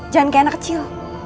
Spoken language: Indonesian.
jangan kayak anak kecil